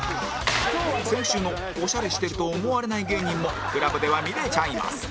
先週のオシャレしてると思われない芸人も ＣＬＵＢ では見れちゃいます